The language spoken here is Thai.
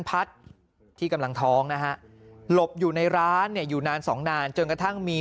พัดที่กำลังท้องนะฮะหลบอยู่ในร้านเนี่ยอยู่นานสองนานจนกระทั่งมี